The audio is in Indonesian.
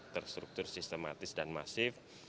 terstruktur sistematis dan masif